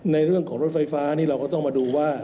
ในเรื่องของรถไฟฟ้านี่เราก็ต้องมาดูว่า